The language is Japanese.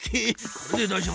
これでだいじょうぶだ。